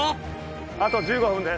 あと１５分です。